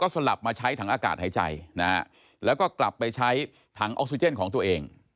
สลับมาใช้ถังอากาศหายใจนะฮะแล้วก็กลับไปใช้ถังออกซิเจนของตัวเอง